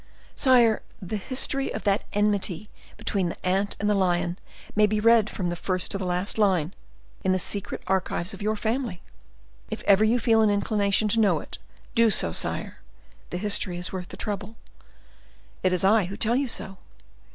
Sire, the history of that enmity between the ant and the lion may be read from the first to the last line, in the secret archives of your family. If ever you feel an inclination to know it, do so, sire; the history is worth the trouble—it is I who tell you so.